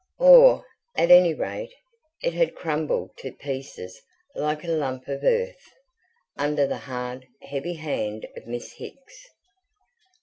Or, at any rate, it had crumbled to pieces like a lump of earth, under the hard, heavy hand of Miss Hicks.